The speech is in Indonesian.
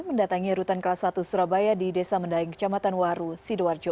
mendatangi rutan kelas satu surabaya di desa mendaing kecamatan waru sidoarjo